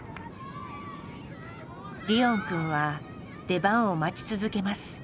リオンくんは出番を待ち続けます。